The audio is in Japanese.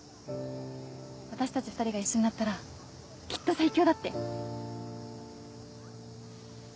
私たち２人が一緒になったらきっと最強だって。